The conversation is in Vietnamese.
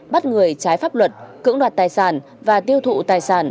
bắt người trái pháp luật cưỡng đoạt tài sản và tiêu thụ tài sản